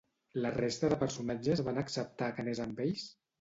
La resta de personatges van acceptar que anés amb ells?